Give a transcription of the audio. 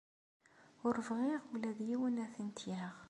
Ur bɣiɣ ula d yiwen ad tent-yaɣ.